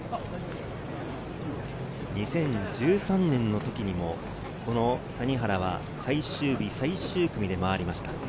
２０１３年の時にも、この谷原は最終日、最終組で回りました。